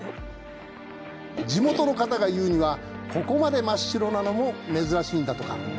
地元の方が言うにはここまで真っ白なのも珍しいんだとか。